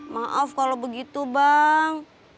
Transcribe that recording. maaf kalau begitu bang